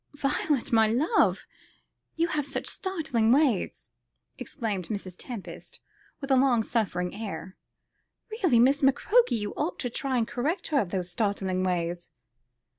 "Violet, my love, you have such startling ways," exclaimed Mrs. Tempest, with a long suffering air. "Really, Miss McCroke, you ought to try and correct her of those startling ways."